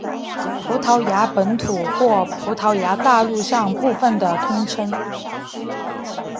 葡萄牙本土或葡萄牙大陆上部分的通称。